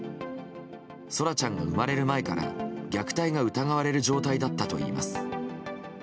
空来ちゃんが生まれる前から虐待が疑われる状態だったといいます。